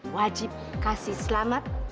wajib kasih selamat